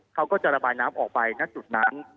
เขาก็จะระบายน้ำออกไปณจุดนั้น